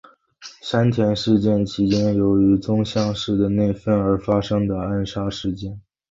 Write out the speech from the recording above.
山田事件其间由于宗像氏的内纷而发生的暗杀事件。